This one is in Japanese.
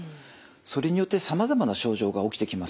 それによってさまざまな症状が起きてきます。